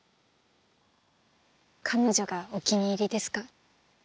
彼女がお気に入りですか？